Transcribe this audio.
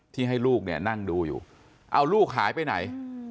ให้ลูกเนี่ยนั่งดูอยู่เอาลูกหายไปไหน